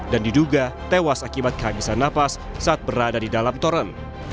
dan diduga tewas akibat kehabisan nafas saat berada di dalam toren